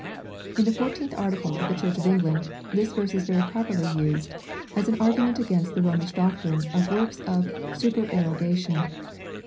In the fourteenth article of the Church of England this verse is Tery properly used as an argument against the Romish doctrine of works of supererogation.